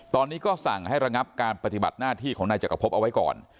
ตอนนี้ก็สั่งให้ระงับการปฏิบัติหน้าที่ของนายจักรพบเอาไว้ก่อน